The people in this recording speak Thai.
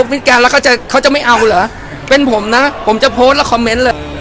พุธกลางแล้วก็จะเขาจะไม่เอาหรอเป็นผมนะผมจะโพสแล้วคอมเมนต์เลย